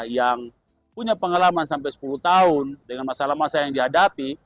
yang punya pengalaman sampai sepuluh tahun dengan masalah masalah yang dihadapi